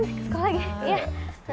ke sekolah lagi